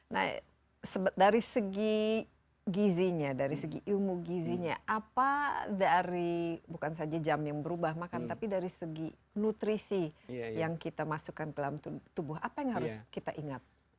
nah dari segi gizinya dari segi ilmu gizinya apa dari bukan saja jam yang berubah makan tapi dari segi nutrisi yang kita masukkan ke dalam tubuh apa yang harus kita ingat